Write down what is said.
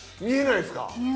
見えないですか？